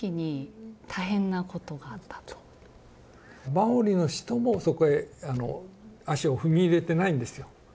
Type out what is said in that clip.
マオリの人もそこへ足を踏み入れてないんですよ。